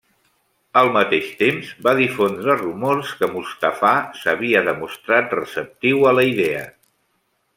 Al mateix temps, va difondre rumors que Mustafà s'havia demostrat receptiu a la idea.